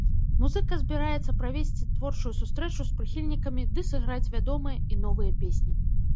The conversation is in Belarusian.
Музыка збіраецца правесці творчую сустрэчу з прыхільнікамі ды сыграць вядомыя і новыя песні.